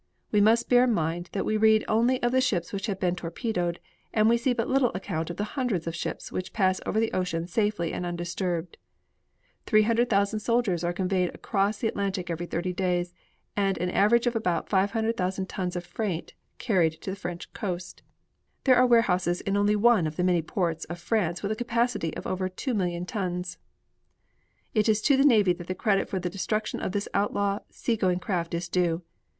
We must bear in mind that we read only of the ships which have been torpedoed and see but little account of the hundreds of ships which pass over the ocean safely and undisturbed. Three hundred thousand soldiers are conveyed across the Atlantic every thirty days, and an average of about 500,000 tons of freight carried to the French coast. There are warehouses in only one of the many ports of France with a capacity of over 2,000,000 tons. It is to the navy that the credit for the destruction of this outlaw seagoing craft is due.